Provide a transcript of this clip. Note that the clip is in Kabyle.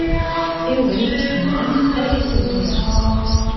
I ubrid usennan, arkas azuran.